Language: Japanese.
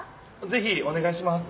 ぜひおねがいします。